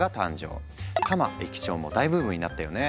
「たま駅長」も大ブームになったよね。